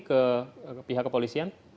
ke pihak kepolisian